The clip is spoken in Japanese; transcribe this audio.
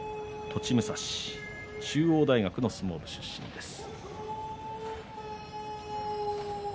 栃武蔵は中央大学相撲部の出身です。